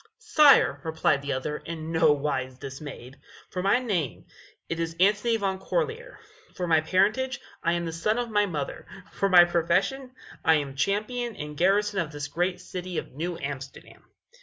"Sire," replied the other, in no wise dismayed, "for my name, it is Antony Van Corlear; for my parentage, I am the son of my mother; for my profession, I am champion and garrison of this great city of New Amsterdam."